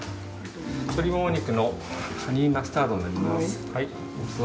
鳥もも肉のハニーマスタードになります。